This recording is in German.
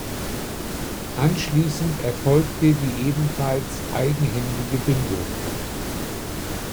Anschließend erfolgte die ebenfalls eigenhändige Bindung.